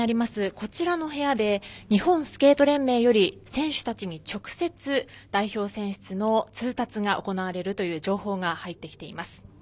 こちらの部屋で日本スケート連盟より選手たちに直接代表選出の通達が行われるという情報が入ってきています。